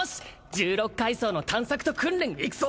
十六階層の探索と訓練行くぞ！